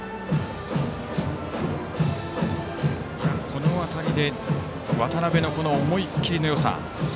この当たりで渡邊の思い切りのよさ。